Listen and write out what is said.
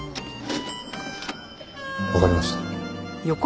わかりました。